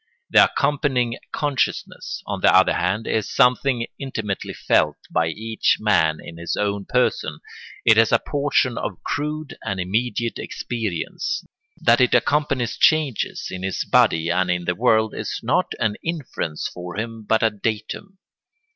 The accompanying consciousness, on the other hand, is something intimately felt by each man in his own person; it is a portion of crude and immediate experience. That it accompanies changes in his body and in the world is not an inference for him but a datum.